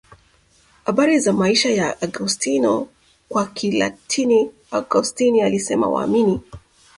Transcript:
habari za maisha ya Augustino kwa Kilatini Augustini alisema waamini